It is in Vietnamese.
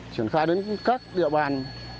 triển khai đến các địa bàn